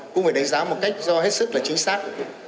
cũng phải đánh giá một cách do hết sức là chính xác